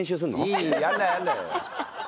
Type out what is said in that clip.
いい！やらないやらない！